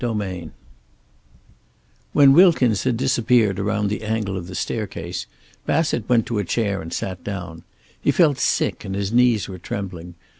XXVII When Wilkins had disappeared around the angle of the staircase Bassett went to a chair and sat down. He felt sick, and his knees were trembling.